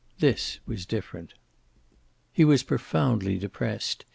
This was different. He was profoundly depressed.